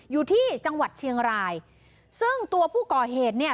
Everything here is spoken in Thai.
อยู่ที่จังหวัดเชียงรายซึ่งตัวผู้ก่อเหตุเนี่ย